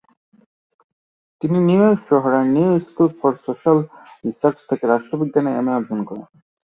তিনি New York শহরের New School for Social Research থেকে রাষ্ট্রবিজ্ঞানে এমএ অর্জন করেন।